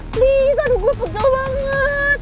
please aduh gue pegal banget